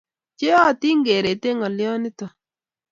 Pcheyatin keret eng ngaliot nitok